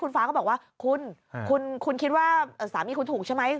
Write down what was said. ฟ้าก็บอกว่าคุณคุณคิดว่าสามีคุณถูกใช่ไหม